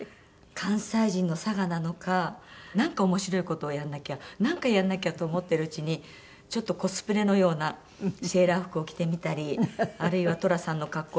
関西人のさがなのかなんか面白い事をやんなきゃなんかやんなきゃと思ってるうちにちょっとコスプレのようなセーラー服を着てみたりあるいは寅さんの格好をしてみたり。